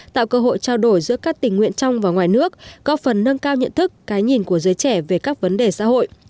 tạo cơ hội trao đổi giữa các tình nguyện trong và ngoài nước góp phần nâng cao nhận thức cái nhìn của giới trẻ về các vấn đề xã hội